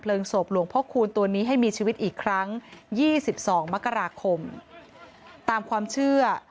ศพหลวงพ่อคูณตัวนี้ให้มีชีวิตอีกครั้ง๒๒มกราคมตามความเชื่อ